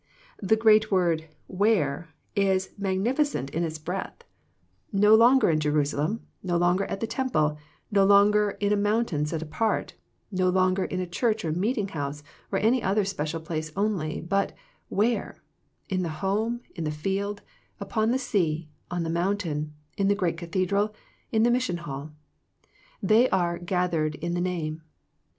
The great word " where " is magnificent in its THE PEACTICE OF PEAYER 115 breadth ; no longer in Jerusalem, no longer at the temple, no longer in a mountain set apart, no longer in a church or meeting house or any other special place only, but " where," in the home, in the field, upon the sea, on the mountain, in the great cathedral, in the mission hall, they are '* gathered in the Name."